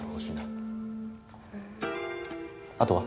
あとは？